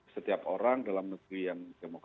setiap orang dalam negeri yang demokratis bisa mengajukan